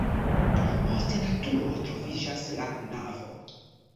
Post la turo troviĝas la navo.